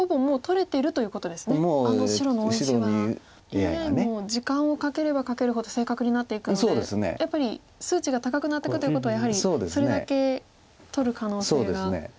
ＡＩも時間をかければかけるほど正確になっていくのでやっぱり数値が高くなっていくっていうことはやはりそれだけ取る可能性が高いと。